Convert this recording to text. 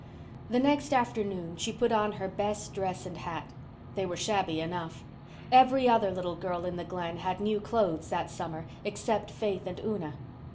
The next afternoon she put on her best dress and hat. They were shabby enough. Every other little girl in the Glen had new clothes that summer except Faith and Una.